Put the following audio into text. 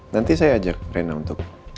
nanti saya ajak rena untuk